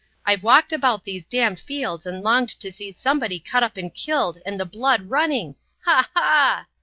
I've walked about these damned fields and longed to see somebody cut up and killed and the blood running. Ha! Ha!"